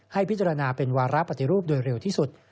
ให้พิจารณาเป็นวาระปฏิรูปโดยเร็วที่สุด